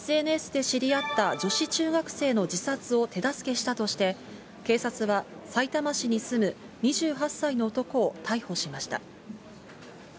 ＳＮＳで知り合った女子中学生の自殺を手助けしたとして、警察はさいたま市に住む２８歳の男を逮捕しました。